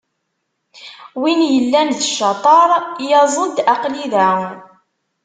Win yellan d ccaṭer, yaẓ-d aql-i da.